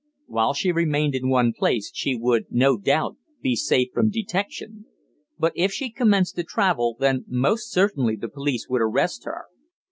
While she remained in one place, she would, no doubt, be safe from detection. But if she commenced to travel, then most certainly the police would arrest her.